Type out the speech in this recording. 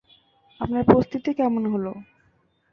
আপনার প্রস্তুতি কেমন হলো?